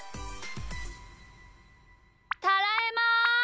ただいま。